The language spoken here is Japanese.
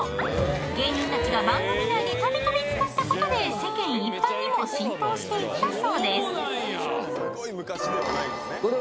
芸人たちが番組内でたびたび使ったことで世間一般にも浸透していったそうですハハッ！